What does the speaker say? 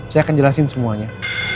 saya akan jelasin semuanya